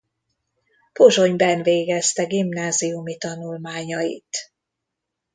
Pozsonyben végezte gimnáziumi tanulmányait.